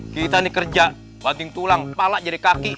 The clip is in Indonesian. kita ini kerja banting tulang palak jari kaki